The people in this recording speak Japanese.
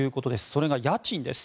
それが家賃です。